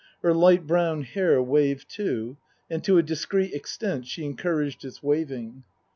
Her light brown hair waved, too, and to a discreet extent she encouraged its waving.